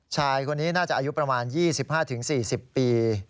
ชายคนนี้น่าจะอายุประมาณ๒๕๔๐ปี